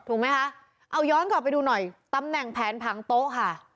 ถูกไหมคะเอาย้อนกลับไปดูหน่อยตำแหน่งแผนผังโต๊ะค่ะ